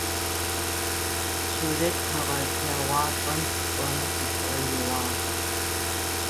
Сурэт къэгъэлъэгъуапӏэм сыкӏомэ сшӏоигъуагъ.